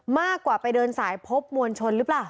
มากกว่าไปเดินสายพบมวลชนหรือเปล่า